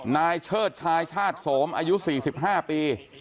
เชิดชายชาติโสมอายุ๔๕ปี